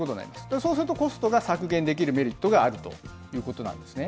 そうするとコストが削減できるメリットがあるということなんですね。